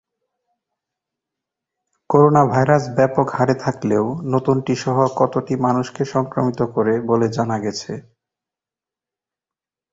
Corona virus ব্যাপক হারে থাকলেও নতুনটিসহ কতটি মানুষকে সংক্রমিত করে বলে জানা গেছে?